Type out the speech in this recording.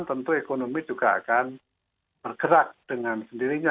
tentu ekonomi juga akan bergerak dengan sendirinya